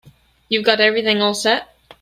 You've got everything all set?